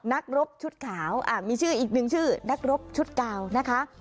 นักรบชุดขาวมีชื่ออีกหนึ่งชื่อนักรบชุดกาวนะคะ